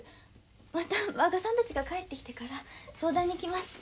また満賀さんたちが帰ってきてから相談に来ます。